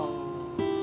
yang paling dekat